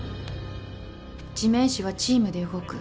地面師はチームで動く。